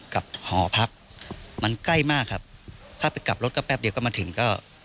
หอพักมันใกล้มากครับถ้าไปกลับรถก็แป๊บเดียวก็มาถึงก็